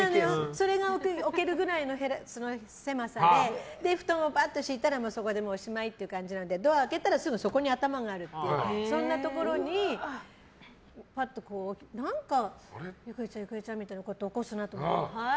それが置けるくらいの狭さで布団をばっと敷いたらそこでおしまいって感じなのでドアを開けたらすぐそこに頭があるっていうそんなところにパッと、なんか郁恵ちゃん、郁恵ちゃんみたいに起こすなと思ったらはい？